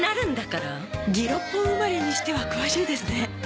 ギロッポン生まれにしては詳しいですね。